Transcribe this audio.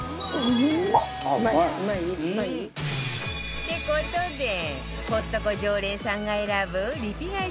って事でコストコ常連さんが選ぶリピ買い